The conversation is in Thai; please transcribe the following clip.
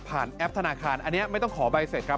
แอปธนาคารอันนี้ไม่ต้องขอใบเสร็จครับ